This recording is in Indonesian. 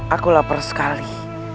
aku lapar sekali